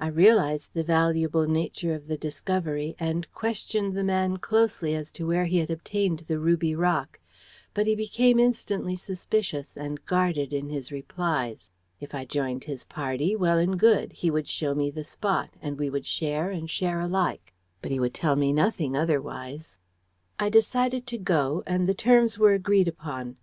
I realized the valuable nature of the discovery, and questioned the man closely as to where he had obtained the ruby rock, but he became instantly suspicious, and guarded in his replies. If I joined his party well and good: he would show me the spot, and we would share and share alike, but he would tell me nothing otherwise. "I decided to go, and the terms were agreed upon.